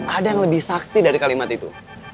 ada yang lebih sakti dari kalimat itu